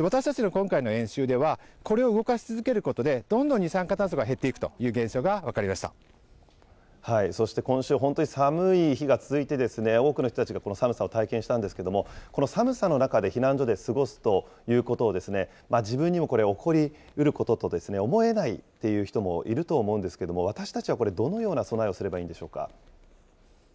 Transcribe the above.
私たちの今回の練習では、これを動かし続けることで、どんどん二酸化炭素が減っていくという現象そして今週、本当に寒い日が続いて、多くの人たちがこの寒さを体験したんですけれども、この寒さの中で避難所で過ごすということを、自分にもこれ、起こりうることと思えないっていう人もいると思うんですけども、私たちはこれ、どのような備えをすればいいんでしょうか。